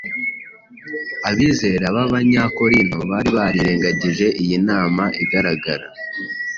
Abizera b’Abanyakorinto bari barirengagije iyi nama igaragara,